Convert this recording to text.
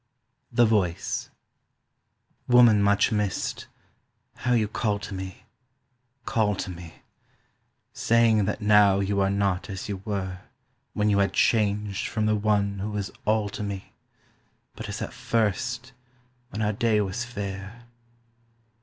THE VOICE WOMAN much missed, how you call to me, call to me, Saying that now you are not as you were When you had changed from the one who was all to me, But as at first, when our day was fair.